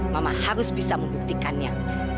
mama harus bisa membuktikannya